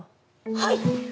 はい！